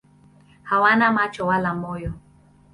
Hawana macho wala moyo.